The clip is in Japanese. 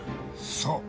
そう。